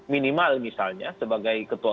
minimal misalnya sebagai ketua